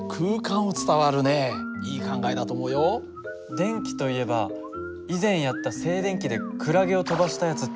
電気といえば以前やった静電気でクラゲを飛ばしたやつって。